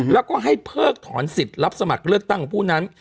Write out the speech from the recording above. แล้วก็ให้เพิกถอนสิทธิ์รับสมัครเลือกตั้งของผู้นั้น